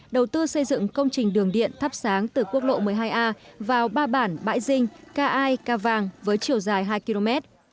đầu tư xây dựng công trình đường điện thắp sáng từ quốc lộ một mươi hai a vào ba bản bãi dinh ca ai ca vàng với chiều dài hai km